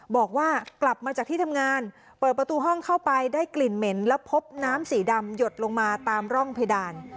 บอกว่ากลับมาจากที่ทำงานเปิดประตูห้องเข้าไปได้กลิ่นเหม็นแล้วพบน้ำสีดำหยดลงมาตามร่องเพดาน